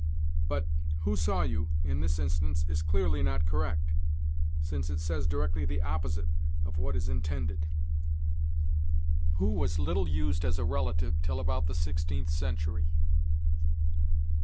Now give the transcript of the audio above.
But "Who saw you?" in this instance, is clearly not correct, since it says directly the opposite of what is intended. Who was little used as a relative till about the sixteenth century.